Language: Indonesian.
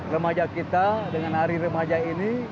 remaja kita dengan hari remaja ini